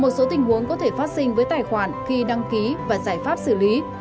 một số tình huống có thể phát sinh với tài khoản khi đăng ký và giải pháp xử lý